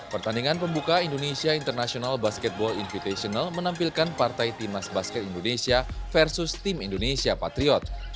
pertandingan pembuka indonesia international basketball invitational menampilkan partai timnas basket indonesia versus tim indonesia patriot